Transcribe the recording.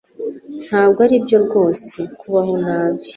Ntabwo aribyo rwose, kubaho nabi